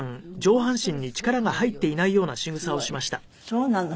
そうなの。